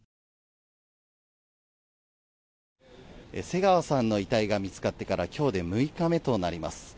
瀬川さんの遺体が見つかってから今日で６日目となります。